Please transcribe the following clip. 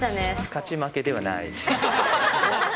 勝ち負けではない。